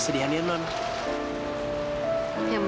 tidak ada apa apa